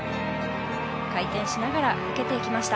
回転しながら受けていきました。